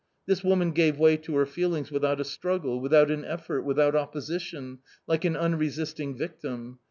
This woman gave way to her feelings without a struggle, without an effort, without opposition, like an unresisting victim.